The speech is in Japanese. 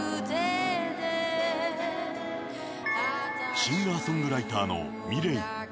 シンガーソングライターのｍｉｌｅｔ。